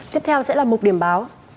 tiếp theo sẽ là một điểm báo